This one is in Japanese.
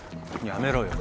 やめろよ。